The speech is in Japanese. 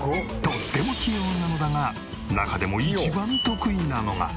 とっても器用なのだが中でも一番得意なのが。